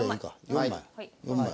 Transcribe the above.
４枚４枚。